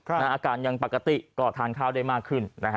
อาการยังปกติก็ทางเท้าได้มากขึ้นนะฮะ